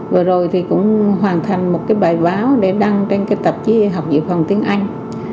vừa rồi thì cũng hoàn thành một cái bài báo để đăng trên cái tạp chí học dự phòng tiếng anh